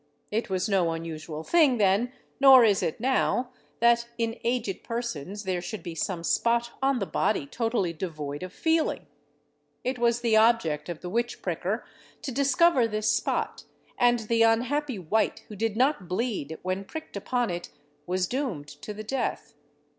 It was no unusual thing then, nor is it now, that in aged persons there should be some spot on the body totally devoid of feeling. It was the object of the witch pricker to discover this spot, and the unhappy wight who did not bleed when pricked upon it was doomed to the death.